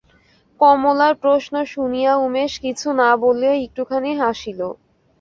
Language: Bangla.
কমলার প্রশ্ন শুনিয়া উমেশ কিছু না বলিয়া একটুখানি হাসিল।